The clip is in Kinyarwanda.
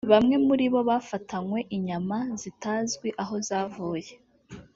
Bamwe muri bo bafatanywe inyama zitazwi aho zavuye